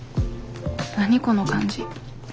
何この感じ。